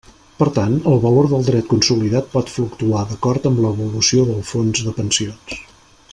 Per tant, el valor del dret consolidat pot fluctuar d'acord amb l'evolució del Fons de Pensions.